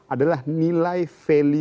adalah nilai value